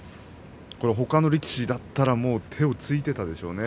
ほかの力士だったら手をついていたでしょうね。